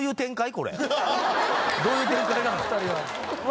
これどういう展開なの？